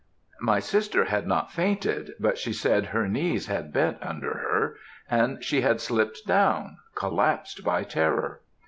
"'My sister had not fainted; but she said her knees had bent under her, and she had slipt down, collapsed by terror.